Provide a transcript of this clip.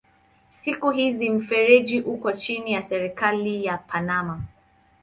Siku hizi mfereji uko chini ya serikali ya Panama.